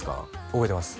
覚えてます